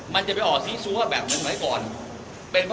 มันจะไปออกศรีซัวร์แบบเมื่อไหนก่อน